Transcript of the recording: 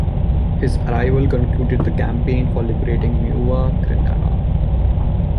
His arrival concluded the campaign for liberating Nueva Granada.